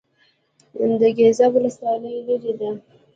د ګیزاب ولسوالۍ لیرې ده